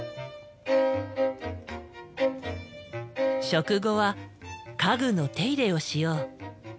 食後は家具の手入れをしよう。